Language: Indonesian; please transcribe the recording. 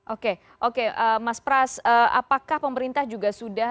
oke oke mas pras apakah pemerintah juga sudah